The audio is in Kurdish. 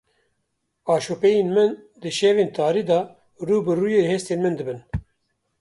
Aşopeyên min di şevên tarî de rû bi rûyê hestên min dibin.